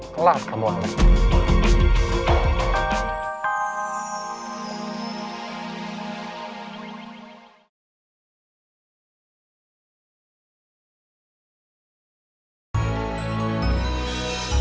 kelak kamu alex